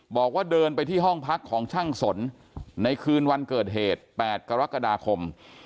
บอกว่าเดินไปที่ห้องพักของช่างสนในคืนวันเกิดเหตุ๘กรกฎาคม